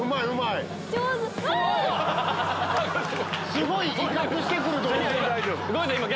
すごい威嚇してくるドローン！